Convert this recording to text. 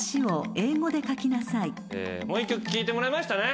もう一曲聞いてもらいましたね。